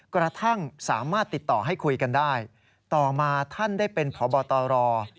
กระทั่งสามารถติดต่อให้คุยกันได้ต่อมาท่านได้เป็นพบตร